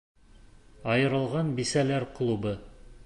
«Айырылған бисәләр клубы!»